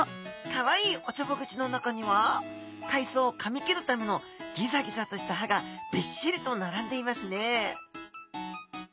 かわいいおちょぼ口の中には海藻をかみ切るためのギザギザとした歯がビッシリと並んでいますね